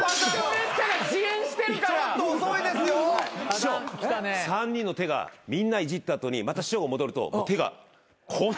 師匠３人の手がみんないじった後にまた師匠が戻ると手がこう。